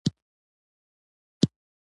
تل د ژوند په لاره کې